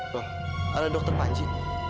pak ada dokter panji